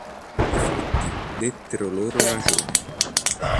I fatti dettero loro ragione.